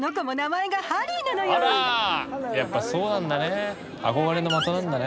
あらやっぱそうなんだね。